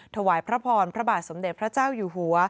ถวายพระพรพระบาทสมเด็จพระเจ้าอยู่หัว